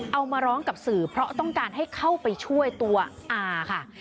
เอามาร้องกับสื่อเพราะต้องการให้เข้าไปช่วยตัวอาค่ะ